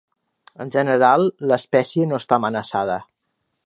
En general, l'espècie no està amenaçada.